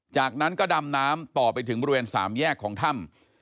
จากนั้นก็ดำน้ำต่อไปถึงบริเวณสามแยกของถ้ำ